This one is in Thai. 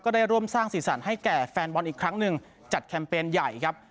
ได้ร่วมสร้างสีสันให้แก่แฟนบอลอีกครั้งหนึ่งจัดแคมเปญใหญ่ครับ